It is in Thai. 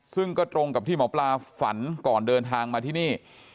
ซึ่งก็ตรงกับที่หมอปลาฝันก่อนเดินทางมาที่นี่